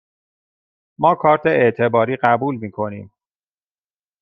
ما کارت اعتباری قبول می کنیم.